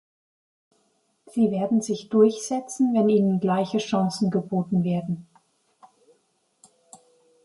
Sie werden sich durchsetzen, wenn ihnen gleiche Chancen geboten werden.